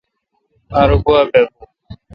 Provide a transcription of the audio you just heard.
ار گوا بیبو۔